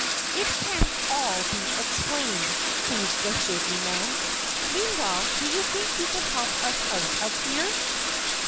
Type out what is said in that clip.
"It can all be explained," soothed the Shaggy Man. "Meanwhile do you think you can help us out of here?"